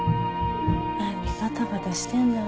何バタバタしてんだろ。